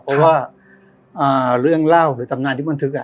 เพราะว่าอ่าเรื่องเล่าหรือตำนานนิบลันธึกอ่ะ